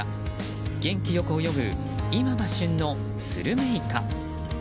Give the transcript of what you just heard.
元気よく泳ぐ今が旬のスルメイカ。